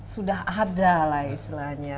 sudah ada lah istilahnya